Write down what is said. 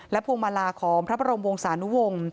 พวงมาลาของพระบรมวงศานุวงศ์